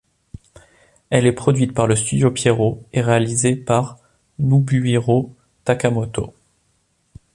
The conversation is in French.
Elle est produite par le Studio Pierrot et réalisée par Noubuhiro Takamoto.